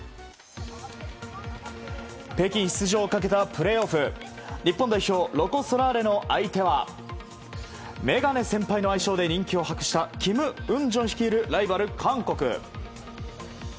北京出場をかけたプレーオフ。日本代表ロコ・ソラーレの相手は眼鏡先輩の愛称で人気を博したキム・ウンジョン率いるライバル韓国。